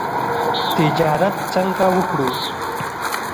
تجارت څنګه وکړو؟